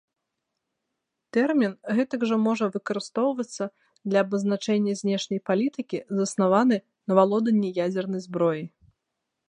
Тэрмін гэтак жа можа выкарыстоўвацца для абазначэння знешняй палітыкі заснаваны на валоданні ядзернай зброяй.